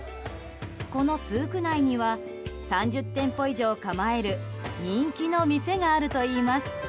このスーク内には３０店舗以上を構える人気の店があるといいます。